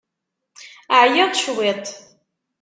Ɛyiɣ cwiṭ.